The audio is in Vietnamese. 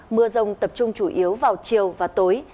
mưa rông tập trung chủ yếu vào chiều và tối